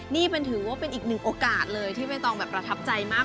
นี่ถือว่าเป็นอีกหนึ่งโอกาสเลยที่ใบตองแบบประทับใจมาก